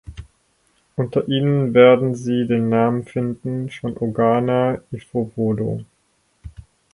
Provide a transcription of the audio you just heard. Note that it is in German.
Unter ihnen werden Sie den Namen finden von Ogana Ifowodo.